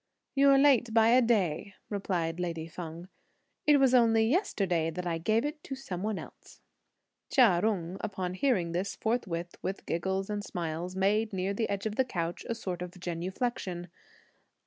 "You're late by a day," replied lady Feng. "It was only yesterday that I gave it to some one." Chia Jung, upon hearing this, forthwith, with giggles and smiles, made, near the edge of the couch, a sort of genuflexion.